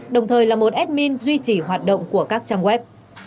đồng thời là một admin duy trì hoạt động của các trang web